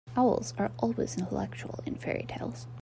Owls are always intellectual in fairy-tales.